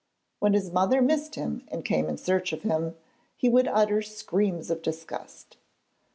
When his mother missed him and came in search of him, he would utter screams of disgust.